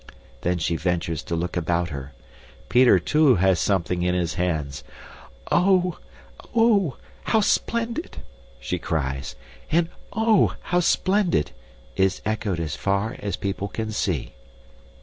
Then she ventures to look about her. Peter, too, has something in his hands. "Oh! Oh! How splendid!" she cries, and "Oh! How splendid!" is echoed as far as people can see.